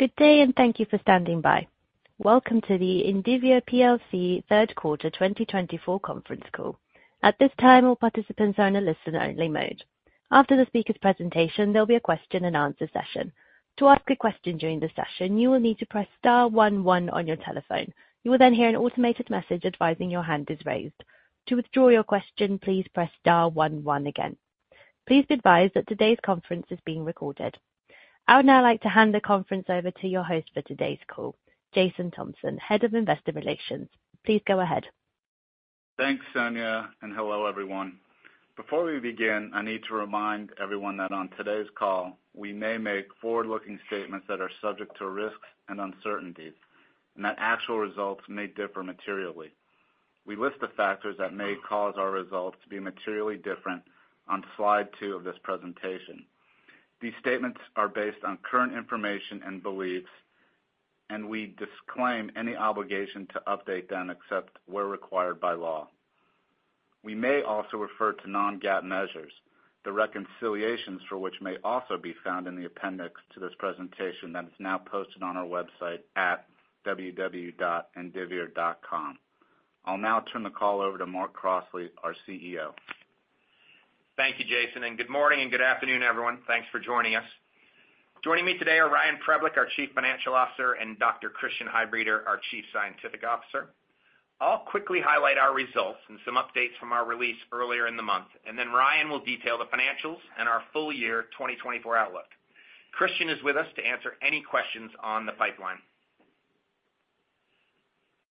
Good day, and thank you for standing by. Welcome to the Indivior PLC third quarter 2024 conference call. At this time, all participants are in a listen-only mode. After the speaker's presentation, there'll be a question-and-answer session. To ask a question during the session, you will need to press star one one on your telephone. You will then hear an automated message advising your hand is raised. To withdraw your question, please press star one one again. Please be advised that today's conference is being recorded. I would now like to hand the conference over to your host for today's call, Jason Thompson, Head of Investor Relations. Please go ahead. Thanks, Sonia, and hello, everyone. Before we begin, I need to remind everyone that on today's call, we may make forward-looking statements that are subject to risks and uncertainties, and that actual results may differ materially. We list the factors that may cause our results to be materially different on slide two of this presentation. These statements are based on current information and beliefs, and we disclaim any obligation to update them except where required by law. We may also refer to non-GAAP measures, the reconciliations for which may also be found in the appendix to this presentation that is now posted on our website at www.indivior.com. I'll now turn the call over to Mark Crossley, our CEO. Thank you, Jason, and good morning and good afternoon, everyone. Thanks for joining us. Joining me today are Ryan Preble, our Chief Financial Officer, and Dr. Christian Heidbreder, our Chief Scientific Officer. I'll quickly highlight our results and some updates from our release earlier in the month, and then Ryan will detail the financials and our full year 2024 outlook. Christian is with us to answer any questions on the pipeline.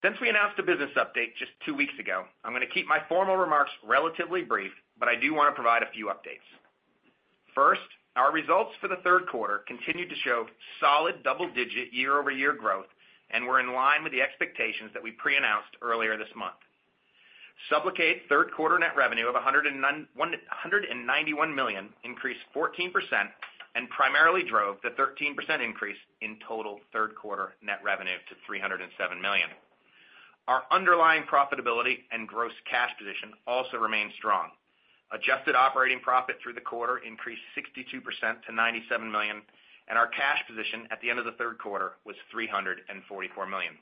Since we announced a business update just two weeks ago, I'm gonna keep my formal remarks relatively brief, but I do wanna provide a few updates. First, our results for the third quarter continued to show solid double-digit year-over-year growth and were in line with the expectations that we pre-announced earlier this month. Sublocade's third quarter net revenue of $191 million increased 14% and primarily drove the 13% increase in total third quarter net revenue to $307 million. Our underlying profitability and gross cash position also remains strong. Adjusted operating profit through the quarter increased 62% to $97 million, and our cash position at the end of the third quarter was $344 million.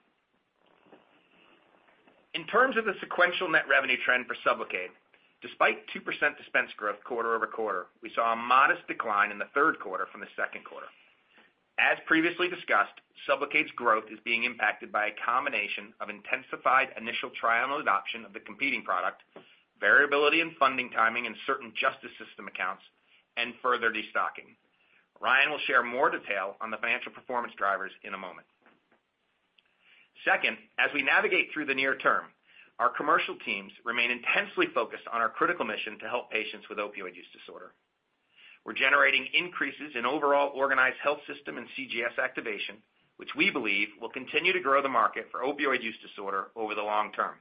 In terms of the sequential net revenue trend for Sublocade, despite 2% dispense growth quarter-over-quarter, we saw a modest decline in the third quarter from the second quarter. As previously discussed, Sublocade's growth is being impacted by a combination of intensified initial trial adoption of the competing product, variability in funding timing in certain justice system accounts, and further destocking. Ryan will share more detail on the financial performance drivers in a moment. Second, as we navigate through the near term, our commercial teams remain intensely focused on our critical mission to help patients with opioid use disorder. We're generating increases in overall organized health system and CJS activation, which we believe will continue to grow the market for opioid use disorder over the long term.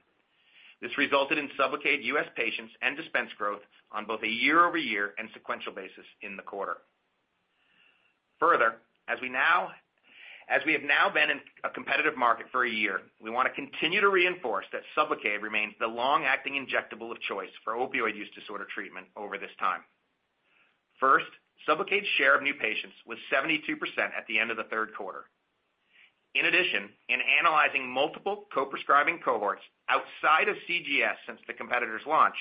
This resulted in Sublocade U.S. patients and dispense growth on both a year-over-year and sequential basis in the quarter. Further, as we have now been in a competitive market for a year, we wanna continue to reinforce that Sublocade remains the long-acting injectable of choice for opioid use disorder treatment over this time. First, Sublocade's share of new patients was 72% at the end of the third quarter. In addition, in analyzing multiple co-prescribing cohorts outside of CJS since the competitor's launch,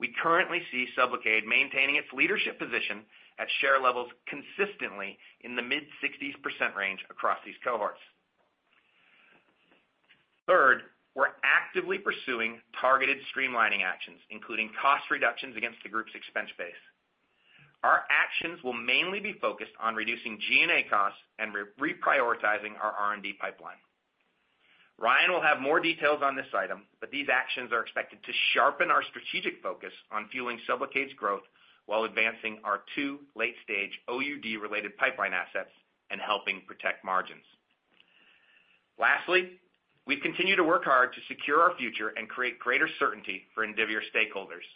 we currently see Sublocade maintaining its leadership position at share levels consistently in the mid-sixties percent range across these cohorts. Third, we're actively pursuing targeted streamlining actions, including cost reductions against the group's expense base. Our actions will mainly be focused on reducing G&A costs and reprioritizing our R&D pipeline. Ryan will have more details on this item, but these actions are expected to sharpen our strategic focus on fueling Sublocade's growth while advancing our two late-stage OUD-related pipeline assets and helping protect margins. Lastly, we continue to work hard to secure our future and create greater certainty for Indivior stakeholders.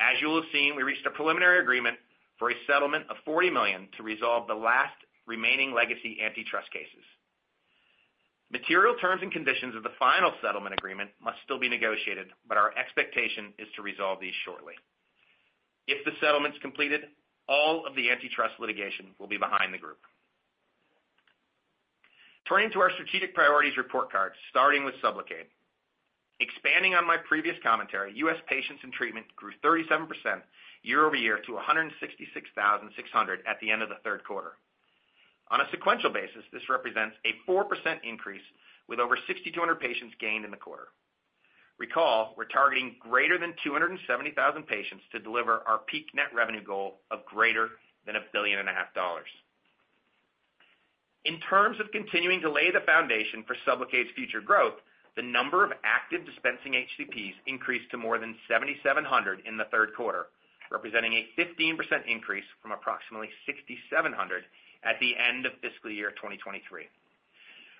As you will have seen, we reached a preliminary agreement for a settlement of $40 million to resolve the last remaining legacy antitrust cases. Material terms and conditions of the final settlement agreement must still be negotiated, but our expectation is to resolve these shortly. If the settlement's completed, all of the antitrust litigation will be behind the group. Turning to our strategic priorities report card, starting with Sublocade. Expanding on my previous commentary, U.S. patients in treatment grew 37% year-over-year to 166,600 at the end of the third quarter. On a sequential basis, this represents a 4% increase, with over 6,200 patients gained in the quarter. Recall, we're targeting greater than 270,000 patients to deliver our peak net revenue goal of greater than $1.5 billion. In terms of continuing to lay the foundation for Sublocade's future growth, the number of active dispensing HCPs increased to more than 7,700 in the third quarter, representing a 15% increase from approximately 6,700 at the end of fiscal year 2023.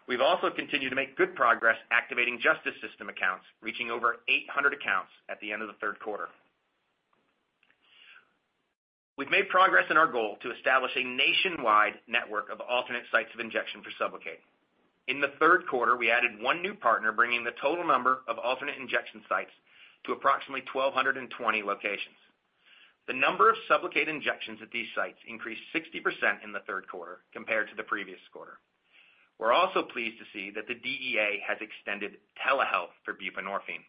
We've also continued to make good progress activating justice system accounts, reaching over 800 accounts at the end of the third quarter. We've made progress in our goal to establish a nationwide network of alternate sites of injection for Sublocade. In the third quarter, we added one new partner, bringing the total number of alternate injection sites to approximately 1,220 locations. The number of Sublocade injections at these sites increased 60% in the third quarter compared to the previous quarter. We're also pleased to see that the DEA has extended telehealth for buprenorphine.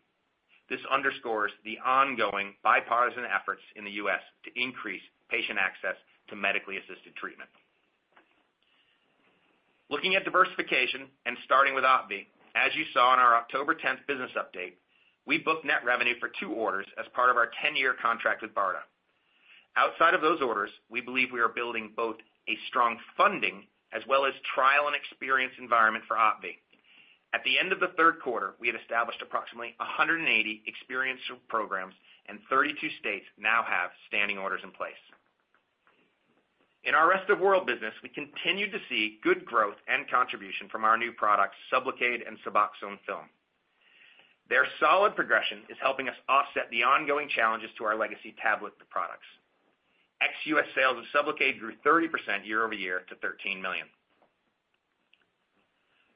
This underscores the ongoing bipartisan efforts in the U.S. to increase patient access to medically assisted treatment. Looking at diversification and starting with OPVEE, as you saw in our October 10th business update, we booked net revenue for two orders as part of our ten-year contract with BARDA. Outside of those orders, we believe we are building both a strong funding as well as trial and experience environment for OPVEE. At the end of the third quarter, we had established approximately 180 experiential programs, and 32 states now have standing orders in place. In our Rest of World business, we continue to see good growth and contribution from our new products, Sublocade and Suboxone Film. Their solid progression is helping us offset the ongoing challenges to our legacy tablet products. Ex-U.S. sales of Sublocade grew 30% year-over-year to 13 million.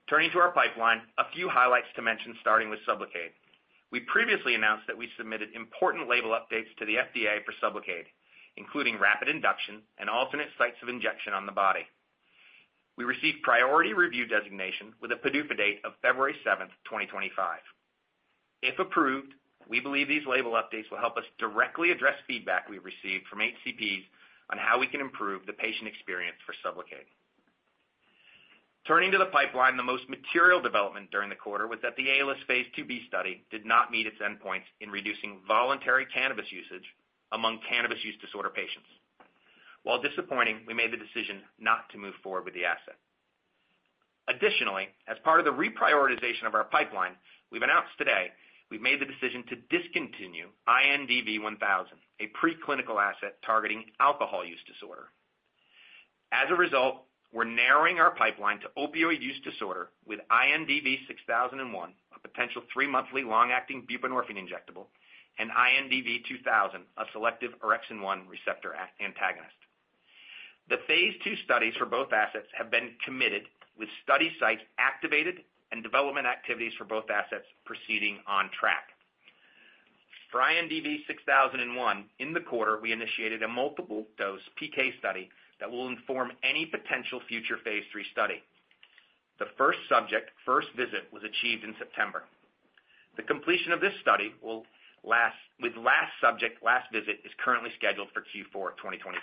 Turning to our pipeline, a few highlights to mention, starting with Sublocade. We previously announced that we submitted important label updates to the FDA for Sublocade, including rapid induction and alternate sites of injection on the body. We received priority review designation with a PDUFA date of February 7th, 2025. If approved, we believe these label updates will help us directly address feedback we've received from HCPs on how we can improve the patient experience for Sublocade. Turning to the pipeline, the most material development during the quarter was that the Aelis phase IIB study did not meet its endpoints in reducing voluntary cannabis usage among cannabis use disorder patients. While disappointing, we made the decision not to move forward with the asset. Additionally, as part of the reprioritization of our pipeline, we've announced today we've made the decision to discontinue INDV-1000, a preclinical asset targeting alcohol use disorder. As a result, we're narrowing our pipeline to opioid use disorder with INDV-6001, a potential three-monthly, long-acting buprenorphine injectable, and INDV-2000, a selective orexin-1 receptor antagonist. The phase II studies for both assets have been committed, with study sites activated and development activities for both assets proceeding on track. For INDV-6001, in the quarter, we initiated a multiple-dose PK study that will inform any potential future phase III study. The first subject, first visit, was achieved in September. The completion of this study with last subject, last visit, is currently scheduled for Q4 2025.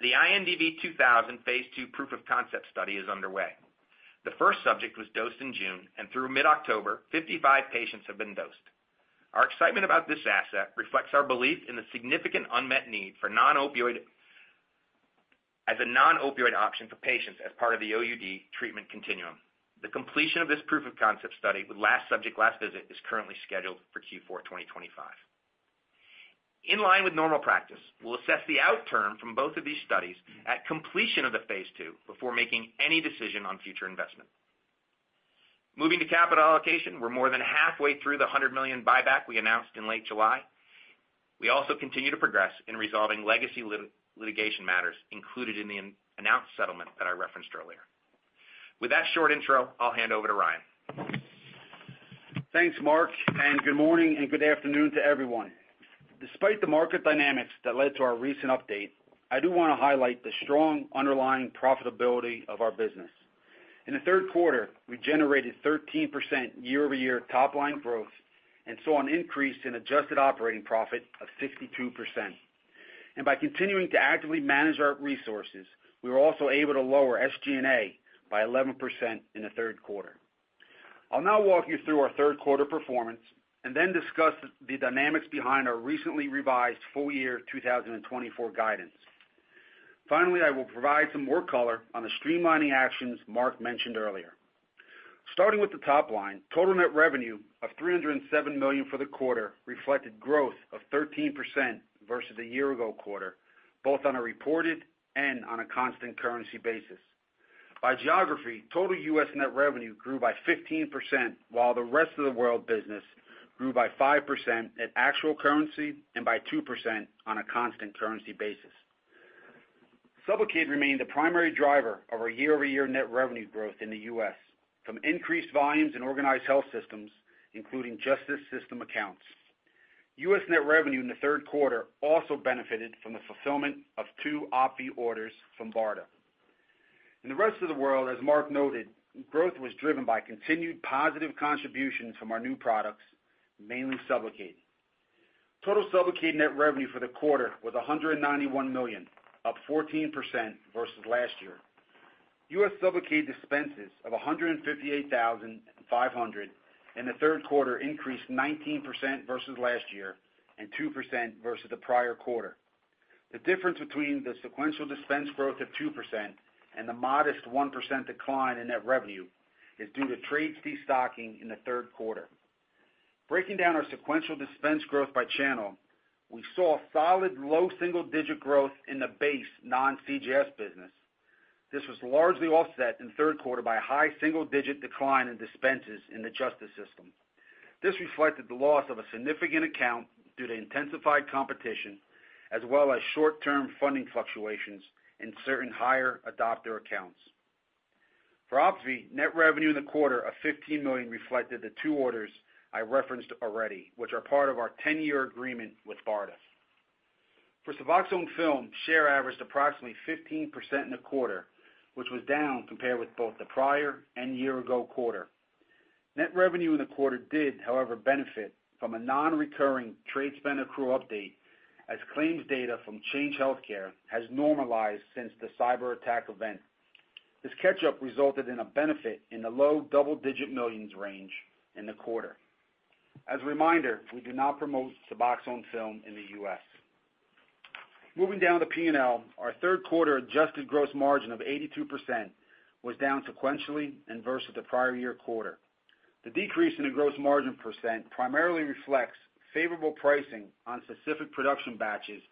The INDV-2000 phase II proof of concept study is underway. The first subject was dosed in June, and through mid-October, 55 patients have been dosed. Our excitement about this asset reflects our belief in the significant unmet need for non-opioid as a non-opioid option for patients as part of the OUD treatment continuum. The completion of this proof of concept study, with last subject, last visit, is currently scheduled for Q4 2025. In line with normal practice, we'll assess the outcome from both of these studies at completion of the phase II before making any decision on future investment. Moving to capital allocation, we're more than halfway through the $100 million buyback we announced in late July. We also continue to progress in resolving legacy litigation matters included in the announced settlement that I referenced earlier. With that short intro, I'll hand over to Ryan. Thanks, Mark, and good morning and good afternoon to everyone. Despite the market dynamics that led to our recent update, I do want to highlight the strong underlying profitability of our business. In the third quarter, we generated 13% year-over-year top-line growth and saw an increase in adjusted operating profit of 62%. And by continuing to actively manage our resources, we were also able to lower SG&A by 11% in the third quarter. I'll now walk you through our third quarter performance and then discuss the dynamics behind our recently revised full-year 2024 guidance. Finally, I will provide some more color on the streamlining actions Mark mentioned earlier. Starting with the top line, total net revenue of $307 million for the quarter reflected growth of 13% versus the year ago quarter, both on a reported and on a constant currency basis. By geography, total U.S. net revenue grew by 15%, while the rest of the world business grew by 5% at actual currency and by 2% on a constant currency basis. Sublocade remained the primary driver of our year-over-year net revenue growth in the U.S. from increased volumes in organized health systems, including justice system accounts. U.S. net revenue in the third quarter also benefited from the fulfillment of two OPVEE orders from BARDA. In the rest of the world, as Mark noted, growth was driven by continued positive contributions from our new products, mainly Sublocade. Total Sublocade net revenue for the quarter was $191 million, up 14% versus last year. U.S. Sublocade dispenses of 158,500 in the third quarter increased 19% versus last year and 2% versus the prior quarter. The difference between the sequential dispense growth of 2% and the modest 1% decline in net revenue is due to trade destocking in the third quarter. Breaking down our sequential dispense growth by channel, we saw a solid low single-digit growth in the base non-CJS business. This was largely offset in the third quarter by a high single-digit decline in dispenses in the justice system. This reflected the loss of a significant account due to intensified competition, as well as short-term funding fluctuations in certain higher adopter accounts. For OPVEE, net revenue in the quarter of $15 million reflected the two orders I referenced already, which are part of our ten-year agreement with BARDA. For Suboxone Film, share averaged approximately 15% in the quarter, which was down compared with both the prior and year-ago quarter. Net revenue in the quarter did, however, benefit from a non-recurring trade spend accrual update, as claims data from Change Healthcare has normalized since the cyberattack event. This catch-up resulted in a benefit in the low double-digit millions range in the quarter. As a reminder, we do not promote Suboxone Film in the U.S. Moving down to P&L, our third quarter adjusted gross margin of 82% was down sequentially and versus the prior year quarter. The decrease in the gross margin percent primarily reflects favorable pricing on specific production batches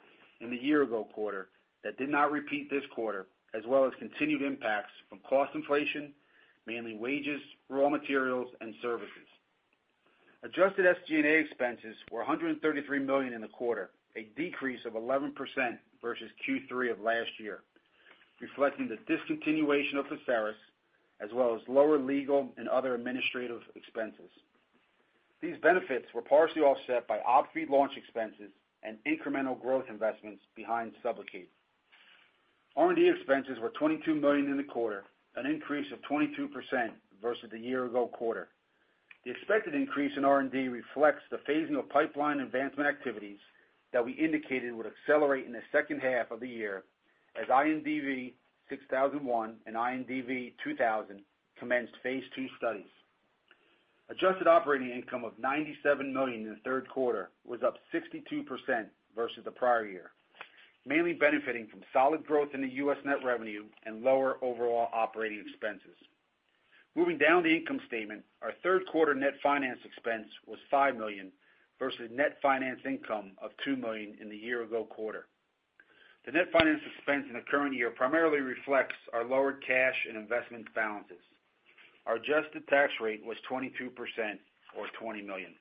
in the year-ago quarter that did not repeat this quarter, as well as continued impacts from cost inflation, mainly wages, raw materials, and services. Adjusted SG&A expenses were $133 million in the quarter, a decrease of 11% versus Q3 of last year, reflecting the discontinuation of Perseris, as well as lower legal and other administrative expenses. These benefits were partially offset by OPVEE launch expenses and incremental growth investments behind Sublocade. R&D expenses were $22 million in the quarter, an increase of 22% versus the year-ago quarter. The expected increase in R&D reflects the phasing of pipeline advancement activities that we indicated would accelerate in the second half of the year, as INDV-6001 and INDV-2000 commenced phase II studies. Adjusted operating income of $97 million in the third quarter was up 62% versus the prior year, mainly benefiting from solid growth in the U.S. net revenue and lower overall operating expenses. Moving down the income statement, our third quarter net finance expense was $5 million versus net finance income of $2 million in the year-ago quarter. The net finance expense in the current year primarily reflects our lower cash and investment balances. Our adjusted tax rate was 22% or $20 million.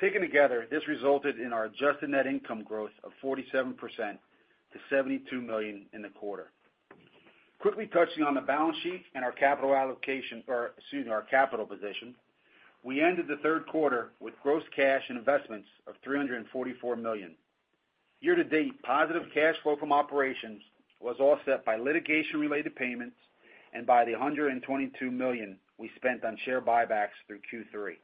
Taken together, this resulted in our adjusted net income growth of 47% to $72 million in the quarter. Quickly touching on the balance sheet and our capital allocation, or excuse me, our capital position. We ended the third quarter with gross cash and investments of $344 million. Year-to-date, positive cash flow from operations was offset by litigation-related payments and by the $122 million we spent on share buybacks through Q3.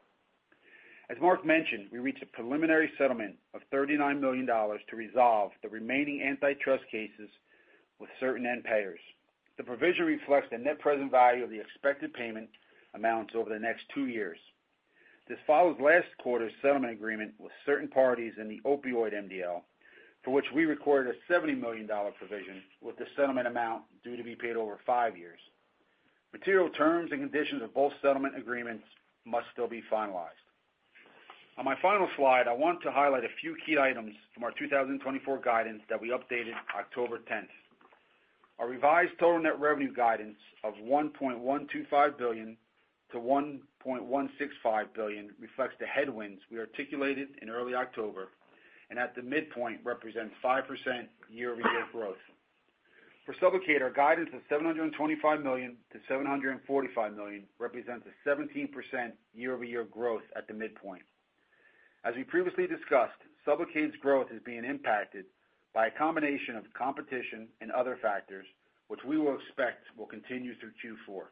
As Mark mentioned, we reached a preliminary settlement of $39 million to resolve the remaining antitrust cases with certain end payers. The provision reflects the net present value of the expected payment amounts over the next two years. This follows last quarter's settlement agreement with certain parties in the opioid MDL, for which we recorded a $70 million provision, with the settlement amount due to be paid over five years. Material terms and conditions of both settlement agreements must still be finalized. On my final slide, I want to highlight a few key items from our 2024 guidance that we updated October 10th. Our revised total net revenue guidance of $1.125 billion-$1.165 billion reflects the headwinds we articulated in early October, and at the midpoint, represents 5% year-over-year growth. For Sublocade, our guidance of $725 million-$745 million represents a 17% year-over-year growth at the midpoint. As we previously discussed, Sublocade's growth is being impacted by a combination of competition and other factors, which we will expect will continue through Q4.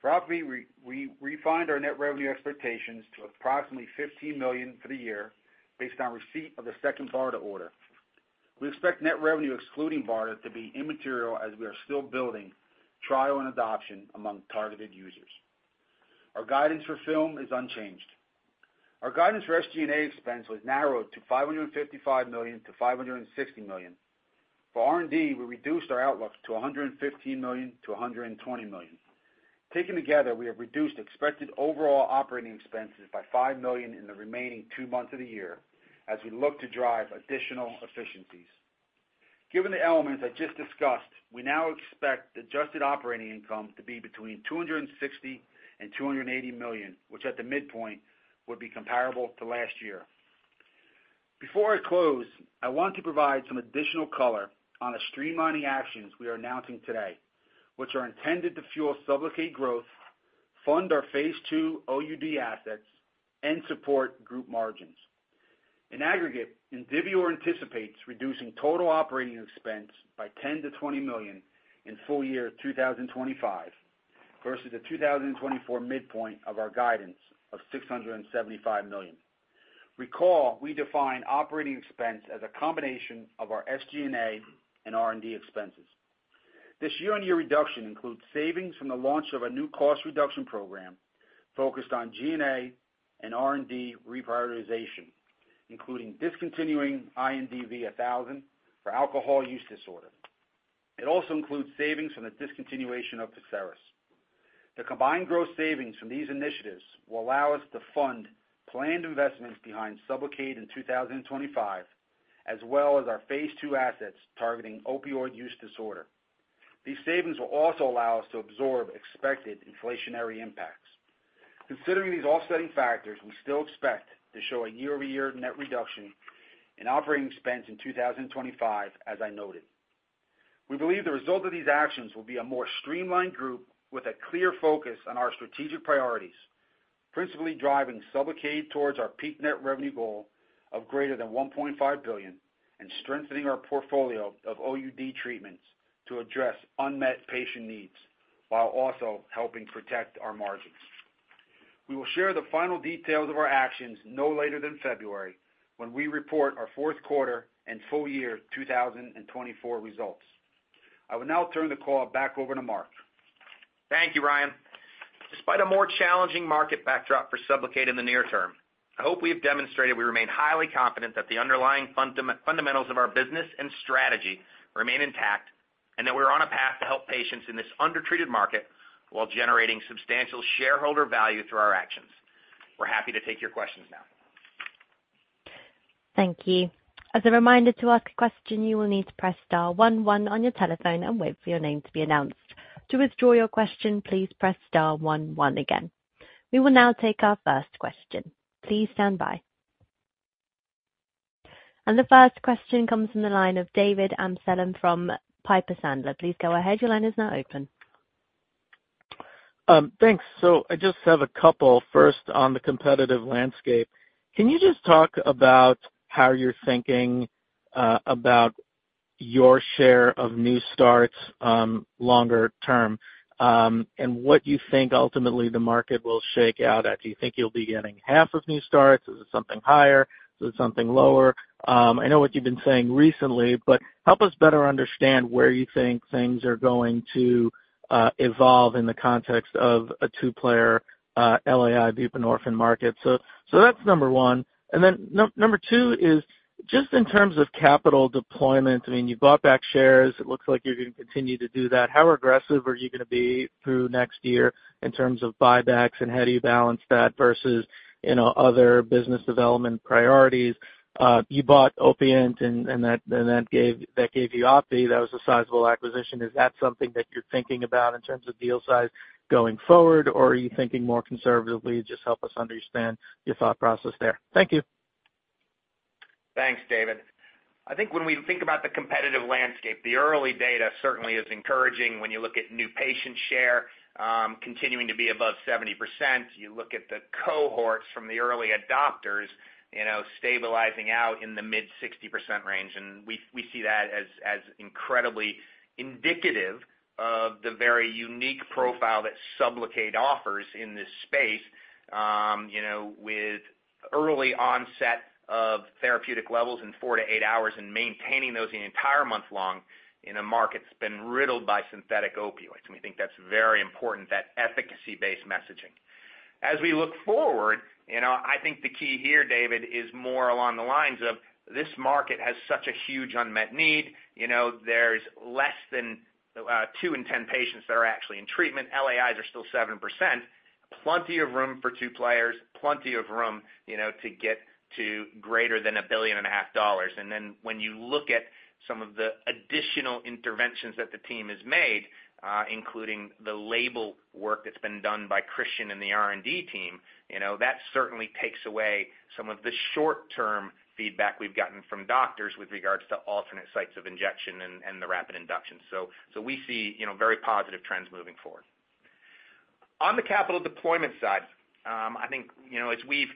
For OPVEE, we refined our net revenue expectations to approximately $15 million for the year based on receipt of the second BARDA order. We expect net revenue, excluding BARDA, to be immaterial as we are still building trial and adoption among targeted users. Our guidance for film is unchanged. Our guidance for SG&A expense was narrowed to $555 million-$560 million. For R&D, we reduced our outlook to $115 million-$120 million. Taken together, we have reduced expected overall operating expenses by $5 million in the remaining two months of the year as we look to drive additional efficiencies. Given the elements I just discussed, we now expect adjusted operating income to be between $260 million and $280 million, which at the midpoint, would be comparable to last year. Before I close, I want to provide some additional color on the streamlining actions we are announcing today, which are intended to fuel Sublocade growth, fund our phase II OUD assets, and support group margins. In aggregate, Indivior anticipates reducing total operating expense by $10-$20 million in full year 2025 versus the 2024 midpoint of our guidance of $675 million. Recall, we define operating expense as a combination of our SG&A and R&D expenses. This year-on-year reduction includes savings from the launch of a new cost reduction program focused on G&A and R&D reprioritization, including discontinuing INDV-1000 for alcohol use disorder. It also includes savings from the discontinuation of Perseris. The combined gross savings from these initiatives will allow us to fund planned investments behind Sublocade in 2025, as well as our phase II assets targeting opioid use disorder. These savings will also allow us to absorb expected inflationary impacts. Considering these offsetting factors, we still expect to show a year-over-year net reduction in operating expense in 2025, as I noted. We believe the result of these actions will be a more streamlined group with a clear focus on our strategic priorities, principally driving Sublocade towards our peak net revenue goal of greater than $1.5 billion, and strengthening our portfolio of OUD treatments to address unmet patient needs, while also helping protect our margins. We will share the final details of our actions no later than February, when we report our fourth quarter and full year 2024 results. I will now turn the call back over to Mark. Thank you, Ryan. Despite a more challenging market backdrop for Sublocade in the near term, I hope we have demonstrated we remain highly confident that the underlying fundamentals of our business and strategy remain intact, and that we're on a path to help patients in this undertreated market while generating substantial shareholder value through our actions. We're happy to take your questions now. Thank you. As a reminder, to ask a question, you will need to press star one, one on your telephone and wait for your name to be announced. To withdraw your question, please press star one, one again. We will now take our first question. Please stand by. And the first question comes from the line of David Amsellem from Piper Sandler. Please go ahead. Your line is now open. Thanks. So I just have a couple. First, on the competitive landscape, can you just talk about how you're thinking about your share of new starts longer term, and what you think ultimately the market will shake out at? Do you think you'll be getting half of new starts? Is it something higher? Is it something lower? I know what you've been saying recently, but help us better understand where you think things are going to evolve in the context of a two-player LAI buprenorphine market. So that's number one. And then number two is just in terms of capital deployment, I mean, you bought back shares. It looks like you're going to continue to do that. How aggressive are you gonna be through next year in terms of buybacks, and how do you balance that versus, you know, other business development priorities? You bought Opiant and that gave you OPVEE. That was a sizable acquisition. Is that something that you're thinking about in terms of deal size going forward, or are you thinking more conservatively? Just help us understand your thought process there. Thank you. Thanks, David. I think when we think about the competitive landscape, the early data certainly is encouraging when you look at new patient share continuing to be above 70%. You look at the cohorts from the early adopters, you know, stabilizing out in the mid-60% range, and we see that as incredibly indicative of the very unique profile that Sublocade offers in this space. You know, with early onset of therapeutic levels in four to eight hours and maintaining those the entire month long in a market that's been riddled by synthetic opioids, and we think that's very important, that efficacy-based messaging. As we look forward, you know, I think the key here, David, is more along the lines of this market has such a huge unmet need. You know, there's less than two in 10 patients that are actually in treatment. LAIs are still 7%. Plenty of room for two players, plenty of room, you know, to get to greater than $1.5 billion. And then when you look at some of the additional interventions that the team has made, including the label work that's been done by Christian and the R&D team, you know, that certainly takes away some of the short-term feedback we've gotten from doctors with regards to alternate sites of injection and the rapid induction. So we see, you know, very positive trends moving forward. On the capital deployment side, I think, you know, as we've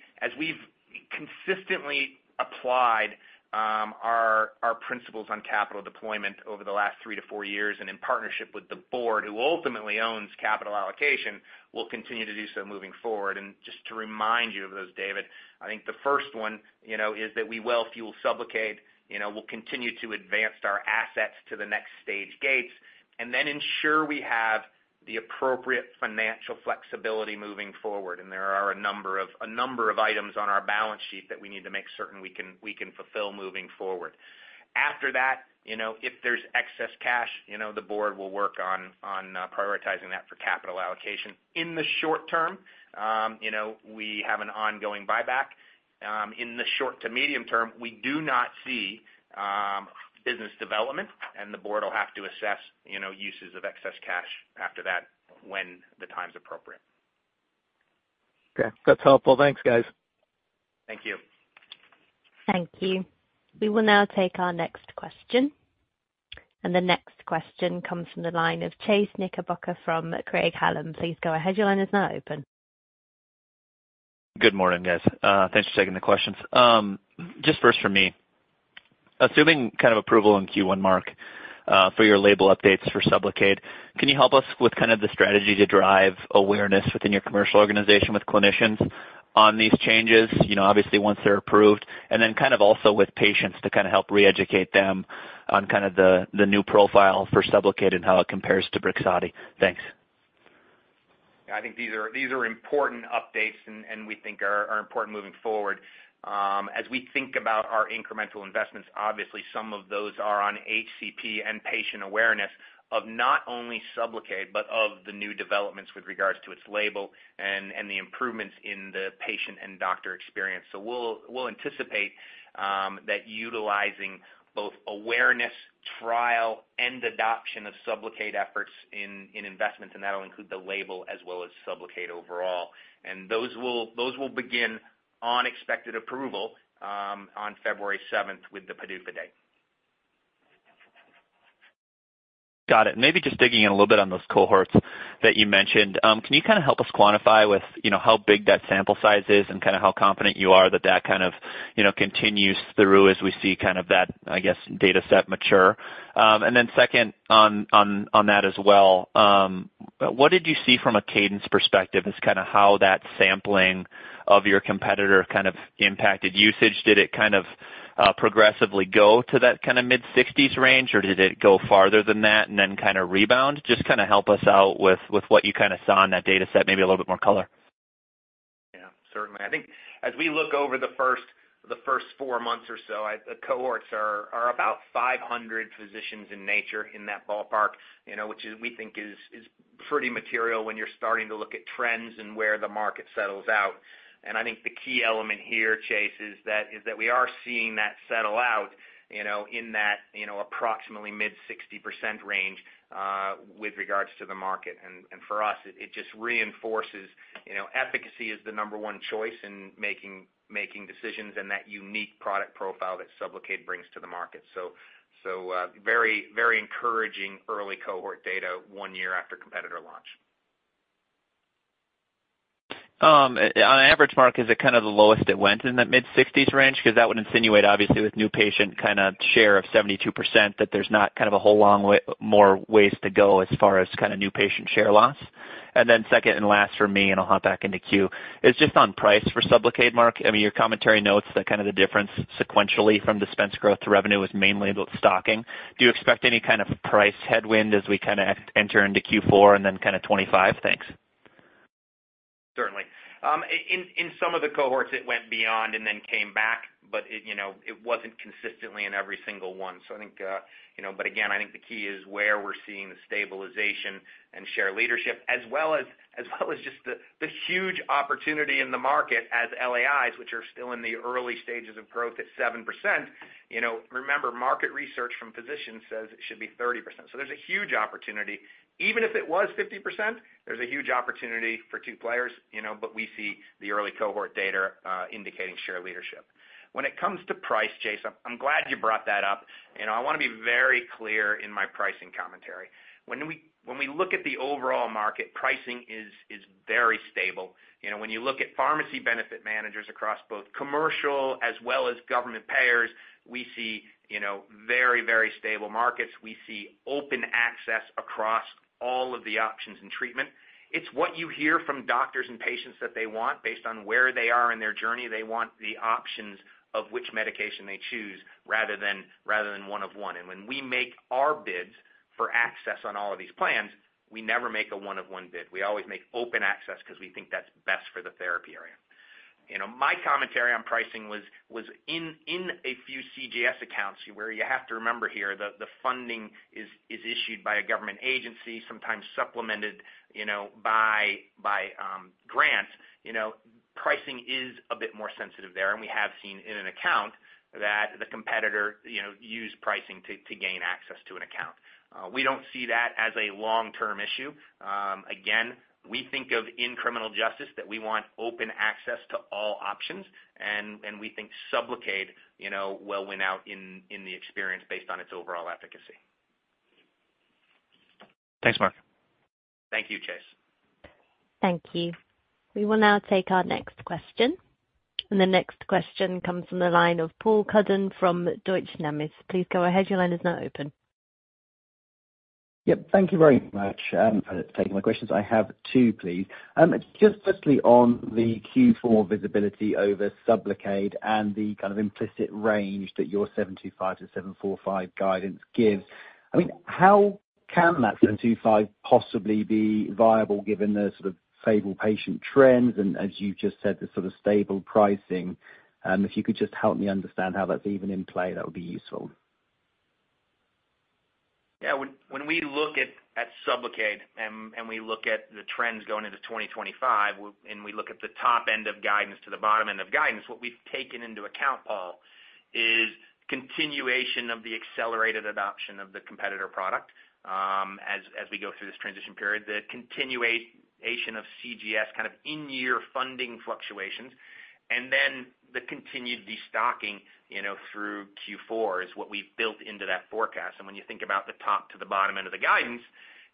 consistently applied our principles on capital deployment over the last three to four years, and in partnership with the board, who ultimately owns capital allocation, we'll continue to do so moving forward. Just to remind you of those, David, I think the first one, you know, is that we will fuel Sublocade. You know, we'll continue to advance our assets to the next stage gates and then ensure we have the appropriate financial flexibility moving forward. And there are a number of items on our balance sheet that we need to make certain we can fulfill moving forward. After that, you know, if there's excess cash, you know, the board will work on prioritizing that for capital allocation. In the short term, you know, we have an ongoing buyback. In the short to medium term, we do not see business development, and the board will have to assess, you know, uses of excess cash after that when the time is appropriate. Okay, that's helpful. Thanks, guys. Thank you. Thank you. We will now take our next question, and the next question comes from the line of Chase Knickerbocker from Craig-Hallum. Please go ahead. Your line is now open. Good morning, guys. Thanks for taking the questions. Just first from me, assuming kind of approval in Q1, Mark, for your label updates for Sublocade, can you help us with kind of the strategy to drive awareness within your commercial organization with clinicians on these changes? You know, obviously, once they're approved, and then kind of also with patients to kind of help re-educate them on kind of the new profile for Sublocade and how it compares to Brixadi. Thanks. I think these are important updates and we think are important moving forward. As we think about our incremental investments, obviously some of those are on HCP and patient awareness of not only Sublocade, but of the new developments with regards to its label and the improvements the patient and doctor experience, so we'll anticipate that utilizing both awareness, trial, and adoption of Sublocade efforts in investments, and that'll include the label as well as Sublocade overall, and those will begin on expected approval on February 7th with the PDUFA date. Got it. Maybe just digging in a little bit on those cohorts that you mentioned. Can you kind of help us quantify with, you know, how big that sample size is and kind of how confident you are that that kind of, you know, continues through as we see kind of that, I guess, data set mature? And then second on that as well, what did you see from a cadence perspective as kind of how that sampling of your competitor kind of impacted usage? Did it kind of progressively go to that kind of mid-sixties range, or did it go farther than that and then kind of rebound? Just kind of help us out with what you kind of saw on that data set, maybe a little bit more color. Yeah, certainly. I think as we look over the first 4 months or so, the cohorts are about 500 physicians in nature in that ballpark, you know, which we think is pretty material when you're starting to look at trends and where the market settles out. And I think the key element here, Chase, is that we are seeing that settle out, you know, in that, you know, approximately mid-60% range with regards to the market. And for us, it just reinforces, you know, efficacy is the number one choice in making decisions and that unique product profile that Sublocade brings to the market. So, very, very encouraging early cohort data one year after competitor launch. On average, Mark, is it kind of the lowest it went in that mid-sixties range? Because that would insinuate, obviously, with new patient kind of share of 72%, that there's not kind of a whole long way more ways to go as far as kind of new patient share loss. And then second and last for me, and I'll hop back into queue, is just on price for Sublocade, Mark. I mean, your commentary notes that kind of the difference sequentially from dispense growth to revenue was mainly about stocking. Do you expect any kind of price headwind as we kind of enter into Q4 and then kind of 2025? Thanks. Certainly. In some of the cohorts, it went beyond and then came back, but you know, it wasn't consistently in every single one. So I think, you know. But again, I think the key is where we're seeing the stabilization and share leadership, as well as just the huge opportunity in the market as LAIs, which are still in the early stages of growth at 7%. You know, remember, market research from physicians says it should be 30%. So there's a huge opportunity. Even if it was 50%, there's a huge opportunity for two players, you know, but we see the early cohort data indicating share leadership. When it comes to price, Chase, I'm glad you brought that up, and I wanna be very clear in my pricing commentary. When we look at the overall market, pricing is very stable. You know, when you look at pharmacy benefit managers across both commercial as well as government payers, we see, you know, very, very stable markets. We see open access across all of the options and treatment. It's what you hear from doctors and patients that they want based on where they are in their journey. They want the options of which medication they choose rather than one of one. And when we make our bids for access on all of these plans, we never make a one of one bid. We always make open access because we think that's best for the therapy area. You know, my commentary on pricing was in a few CJS accounts, where you have to remember here, the funding is issued by a government agency, sometimes supplemented, you know, by grants. You know, pricing is a bit more sensitive there, and we have seen in an account that the competitor, you know, used pricing to gain access to an account. We don't see that as a long-term issue. Again, we think of in criminal justice, that we want open access to all options, and we think Sublocade, you know, will win out in the experience based on its overall efficacy. Thanks, Mark. Thank you, Chase. Thank you. We will now take our next question, and the next question comes from the line of Paul Cuddon from Deutsche Numis. Please go ahead. Your line is now open. Yep, thank you very much for taking my questions. I have two, please. Just firstly on the Q4 visibility over Sublocade and the kind of implicit range that your 725-745 guidance gives. I mean, how can that 725 possibly be viable given the sort of stable patient trends, and as you've just said, the sort of stable pricing? If you could just help me understand how that's even in play, that would be useful. Yeah, when we look at Sublocade and we look at the trends going into 2025, and we look at the top end of guidance to the bottom end of guidance, what we've taken into account, Paul, is continuation of the accelerated adoption of the competitor product, as we go through this transition period, the continuation of CJS kind of in-year funding fluctuations, and then the continued destocking, you know, through Q4 is what we've built into that forecast, and when you think about the top to the bottom end of the guidance,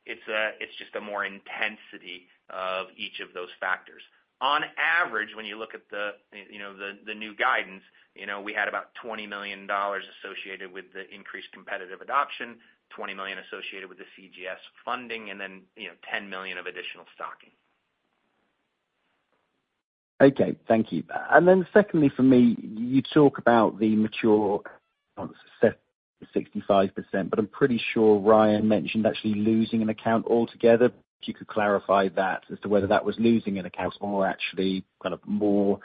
it's just a more intensity of each of those factors. On average, when you look at the new guidance, you know, we had about $20 million associated with the increased competitive adoption, $20 million associated with the CJS funding, and then, you know, $10 million of additional stocking. Okay, thank you. And then secondly, for me, you talk about the mature, 65%, but I'm pretty sure Ryan mentioned actually losing an account altogether. If you could clarify that as to whether that was losing an account or actually kind of more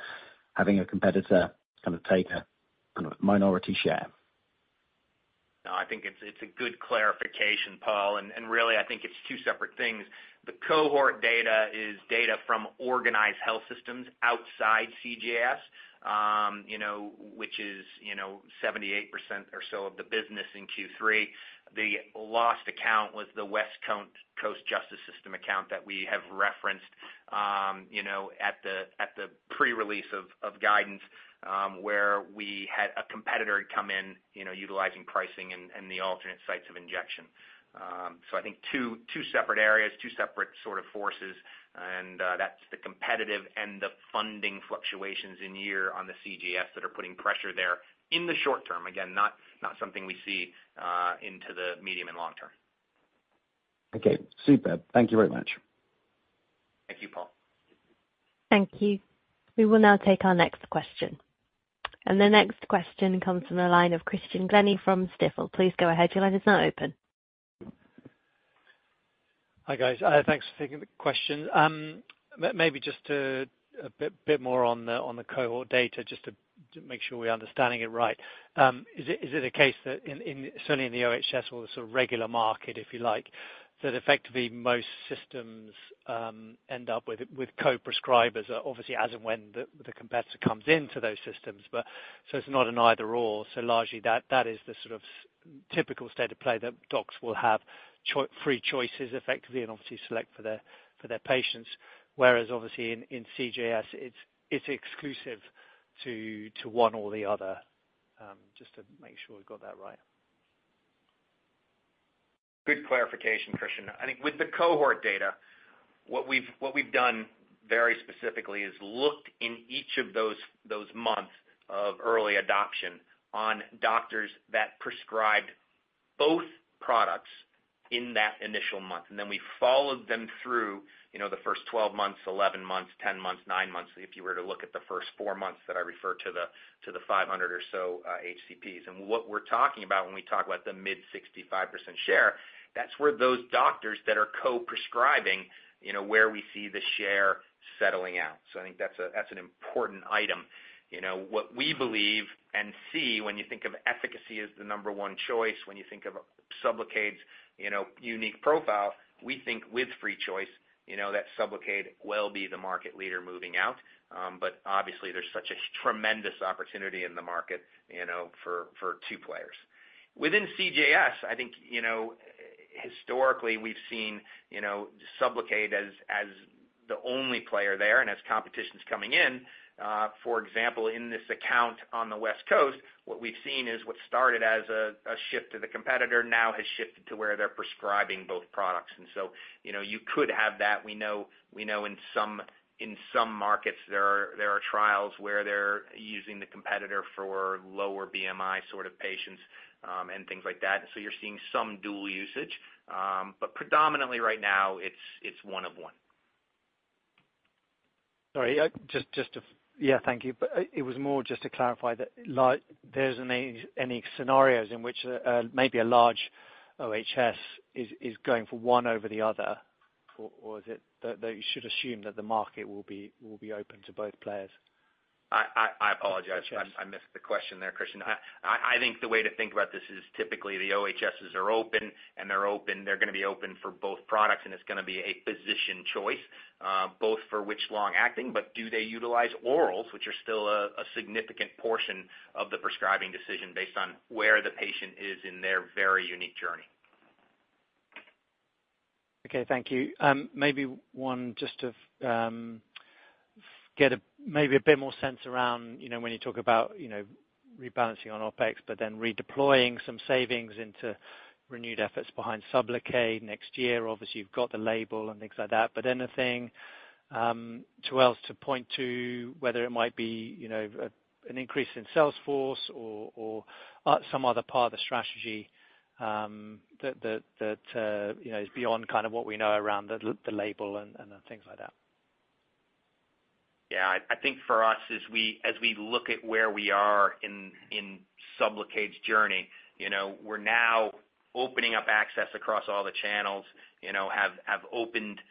having a competitor kind of take a, kind of minority share? I think it's a good clarification, Paul, and really, I think it's two separate things. The cohort data is data from organized health systems outside CJS, you know, which is, you know, 78% or so of the business in Q3. The lost account was the West Coast Justice System account that we have referenced, you know, at the pre-release of guidance, where we had a competitor come in, you know, utilizing pricing and the alternate sites of injection. So I think two separate areas, two separate sort of forces, and that's the competitive and the funding fluctuations in year on the CJS that are putting pressure there in the short term. Again, not something we see into the medium and long term. Okay, super. Thank you very much. Thank you, Paul. Thank you. We will now take our next question, and the next question comes from the line of Christian Glennie from Stifel. Please go ahead, your line is now open. Hi, guys. Thanks for taking the question. Maybe just a bit more on the cohort data, just to make sure we're understanding it right. Is it a case that in -- certainly in the OHS or the sort of regular market, if you like, that effectively most systems end up with co-prescribers, obviously, as and when the competitor comes into those systems, but so it's not an either/or. So largely, that is the sort of typical state of play, that docs will have free choices effectively, and obviously select for their patients. Whereas obviously in CJS, it's exclusive to one or the other. Just to make sure we've got that right. Good clarification, Christian. I think with the cohort data, what we've done very specifically is looked in each of those months of early adoption on doctors that prescribed both products in that initial month, and then we followed them through, you know, the first 12 months, 11 months, 10 months, nine months. If you were to look at the first four months that I referred to the five hundred or so HCPs, and what we're talking about when we talk about the mid-65% share, that's where those doctors that are co-prescribing, you know, where we see the share settling out, so I think that's an important item. You know, what we believe and see when you think of efficacy as the number one choice, when you think of Sublocade's, you know, unique profile, we think with free choice, you know, that Sublocade will be the market leader moving out. But obviously, there's such a tremendous opportunity in the market, you know, for two players. Within CJS, I think, you know, historically, we've seen, you know, Sublocade as the only player there, and as competition's coming in, for example, in this account on the West Coast, what we've seen is what started as a shift to the competitor, now has shifted to where they're prescribing both products. And so, you know, you could have that. We know in some markets, there are trials where they're using the competitor for lower BMI sort of patients, and things like that. So you're seeing some dual usage, but predominantly right now, it's one of one. Sorry, just to... Yeah, thank you. But it was more just to clarify that, like, there isn't any scenarios in which, maybe a large OHS is going for one over the other, or is it that you should assume that the market will be open to both players? I apologize. Sure. I missed the question there, Christian. I think the way to think about this is typically the OHSs are open, and they're open... They're gonna be open for both products, and it's gonna be a physician choice, both for which long-acting, but do they utilize orals, which are still a significant portion of the prescribing decision based on where the patient is in their very unique journey. Okay, thank you. Maybe one just to get a bit more sense around, you know, when you talk about, you know, rebalancing on OpEx, but then redeploying some savings into renewed efforts behind Sublocade next year. Obviously, you've got the label and things like that, but anything else to point to, whether it might be, you know, an increase in sales force or some other part of the strategy, that you know is beyond kind of what we know around the label and things like that? Yeah, I think for us, as we look at where we are in Sublocade's journey, you know, we're now opening up access across all the channels, you know, have opened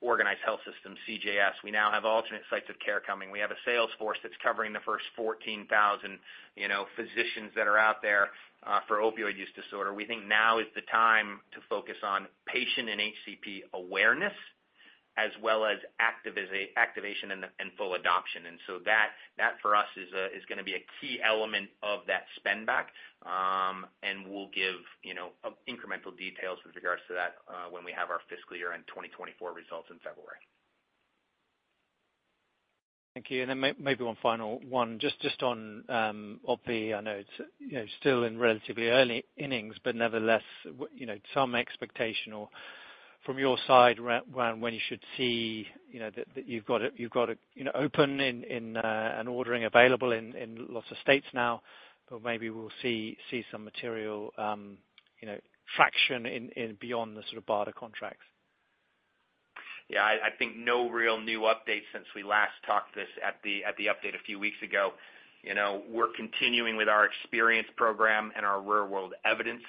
organized health systems, CJS. We now have alternate sites of care coming. We have a sales force that's covering the first 14,000 physicians that are out there for opioid use disorder. We think now is the time to focus on patient and HCP awareness, as well as activation and full adoption. And so that for us is gonna be a key element of that spend back. And we'll give you know incremental details with regards to that when we have our fiscal year-end 2024 results in February. Thank you. And then maybe one final one, just on OPVEE. I know it's, you know, still in relatively early innings, but nevertheless, you know, some expectation or from your side, around when you should see, you know, that you've got it up and running and ordering available in lots of states now, but maybe we'll see some material, you know, traction in beyond the sort of BARDA contracts. Yeah, I think no real new update since we last talked this at the update a few weeks ago. You know, we're continuing with our experience program and our real world evidence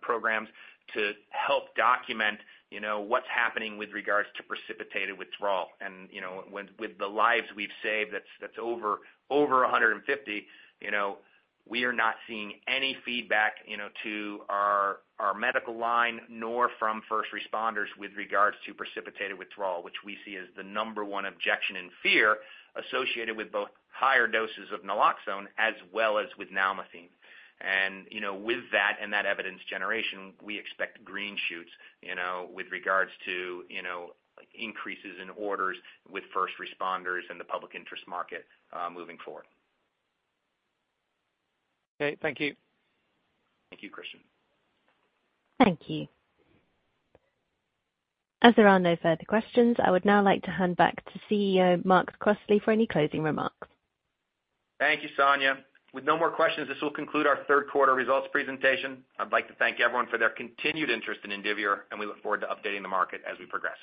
programs to help document, you know, what's happening with regards to precipitated withdrawal. And, you know, with the lives we've saved, that's over a 150, you know, we are not seeing any feedback, you know, to our medical line, nor from first responders with regards to precipitated withdrawal, which we see as the number one objection and fear associated with both higher doses of naloxone as well as with nalmefene. And, you know, with that and that evidence generation, we expect green shoots, you know, with regards to, you know, increases in orders with first responders and the public interest market moving forward. Okay, thank you. Thank you, Christian. Thank you. As there are no further questions, I would now like to hand back to CEO, Mark Crossley, for any closing remarks. Thank you, Sonia. With no more questions, this will conclude our third quarter results presentation. I'd like to thank everyone for their continued interest in Indivior, and we look forward to updating the market as we progress.